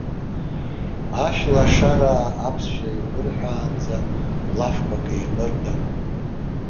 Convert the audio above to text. Ашәлашараа аԥсшәа еибырҳәаанӡа, лафқәак еимырдароуп.